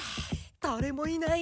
だれもいない。